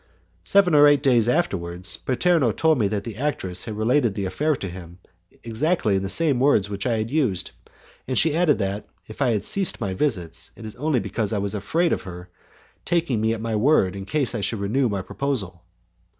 Seven or eight days afterwards, Paterno told me that the actress had related the affair to him exactly in the same words which I had used, and she had added that, if I had ceased my visits, it was only because I was afraid of her taking me at my word in case I should renew my proposal.